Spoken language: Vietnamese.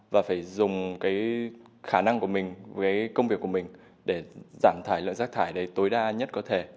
và phải dùng cái khả năng của mình với công việc của mình để giảm thải lượng rác thải tối đa nhất có thể